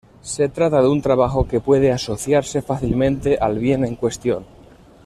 Se trata de un trabajo que puede asociarse fácilmente al bien en cuestión.